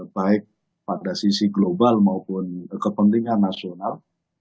baik pada sisi global maupun kepentingan nasional